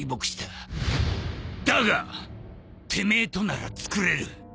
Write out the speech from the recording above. だがてめえとならつくれる。